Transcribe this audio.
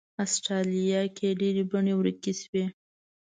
استرالیا کې یې ډېرې بڼې ورکې شوې.